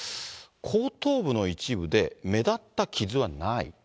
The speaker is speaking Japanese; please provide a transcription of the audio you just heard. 後頭部の一部で、目立った傷はない。